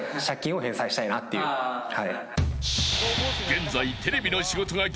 ［現在］